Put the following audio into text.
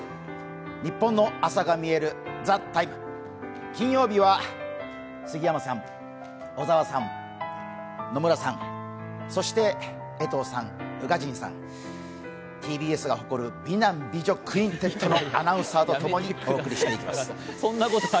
ニッポンの朝がみえる「ＴＨＥＴＩＭＥ，」、金曜日は杉山さん、小沢さん、野村さん、そして江藤さん、宇賀神さん、ＴＢＳが誇る美男美女クインテッドのアナウンサーと共にお送りします。